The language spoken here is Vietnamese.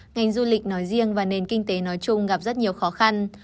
ngành du lịch nói riêng và nền kinh tế nói chung gặp rất nhiều khó khăn